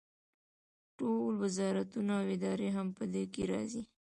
ټول وزارتونه او ادارې هم په دې کې راځي.